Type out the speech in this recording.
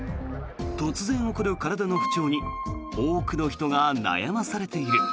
突然起こる体の不調に多くの人が悩まされている。